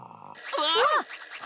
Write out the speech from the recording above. うわっ！